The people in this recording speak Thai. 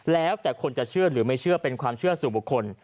แล้วแต่คนจะเชื่อหรือไม่เชื่อเป็นความเชื่อสู่บุคคล